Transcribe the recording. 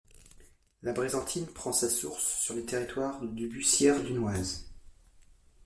La Brézentine prend sa source sur le territoire de Bussière-Dunoise.